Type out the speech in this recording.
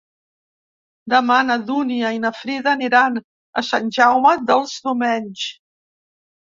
Demà na Dúnia i na Frida aniran a Sant Jaume dels Domenys.